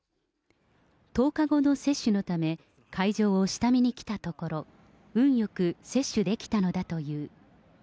１０日後の接種のため、会場を下見にきたところ、運よく接種できたのだという。